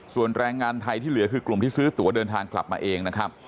ส่วนแรงงานไทยที่เหลือคือกลุ่มที่ซื้อตัวเดินทางกลับมาเองนะครับ